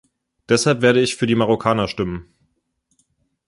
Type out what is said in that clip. Deshalb werde ich für die Marokkaner stimmen.